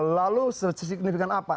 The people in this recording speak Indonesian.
lalu signifikan apa